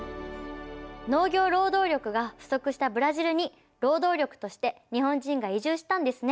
農業労働力が不足したブラジルに労働力として日本人が移住したんですね。